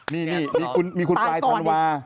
นี่มีคุณปลายธันวา